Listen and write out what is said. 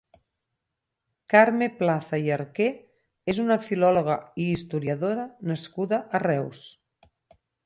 Carme Plaza i Arqué és una filòloga i historiadora nascuda a Reus.